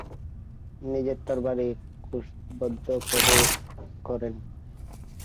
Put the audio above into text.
নিজের তরবারি কোষবদ্ধ করেন।